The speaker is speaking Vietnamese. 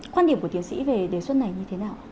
quan điểm của tiến sĩ về đề xuất này như thế nào